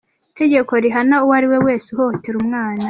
Itegeko rihana uwo ari we wese uhohotera umwana.